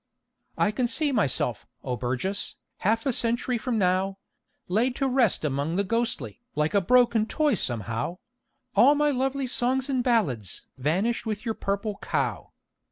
I can see myself, O Burgess, half a century from now, Laid to rest among the ghostly, like a broken toy somehow, All my lovely songs and ballads vanished with your "Purple Cow."